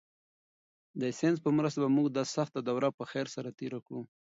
د ساینس په مرسته به موږ دا سخته دوره په خیر سره تېره کړو.